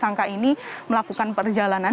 sangka ini melakukan perjalanan